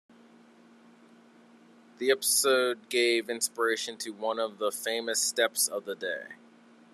The episode gave inspiration to one of the famous steps of the Day.